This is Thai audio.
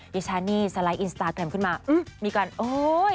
ยชานี่สไลด์อินสตาร์แกรมขึ้นมามีการโอ้ย